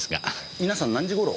皆さん何時ごろ